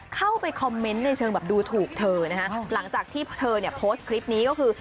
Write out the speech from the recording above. เข้าไปคอมเมนต์ในเชิงแบบดูถูกเธอนะฮะหลังจากที่เธอเนี่ยโพสต์คลิปนี้ก็คือ